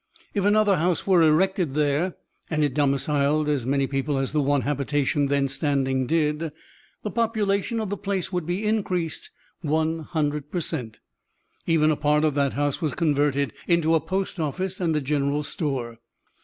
If another house were erected there, and it domiciled as many people as the one habitation then standing did, the population of the place would be increased 100 per cent. Even a part of that house was converted into a post office and a general store.